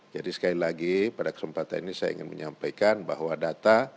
jadi sekali lagi pada kesempatan ini saya ingin menyampaikan bahwa data